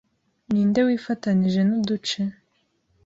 Ninde wifatanije nuduce